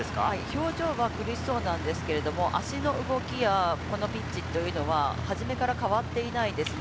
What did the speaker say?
表情は苦しそうなんですけれど、足の動きや、このピッチというのは初めから変わっていないんですね。